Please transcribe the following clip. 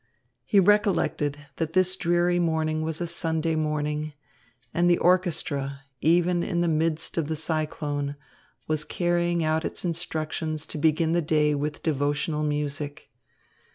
He recollected that this dreary morning was a Sunday morning, and the orchestra, even in the midst of the cyclone, was carrying out its instructions to begin the day with devotional music.